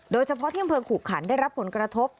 โดยเฉพาะที่อำเภอขุขันได้รับผลกระทบ